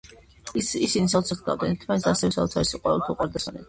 ისინი საოცრად ჰგავდნენ ერთმანეთს და ასევე საოცარი სიყვარულით უყვარდათ ერთმანეთი.